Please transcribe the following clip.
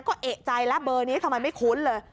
ก็เอกใจแล้วเบอร์นี้ทำไมไม่คุ้นเลย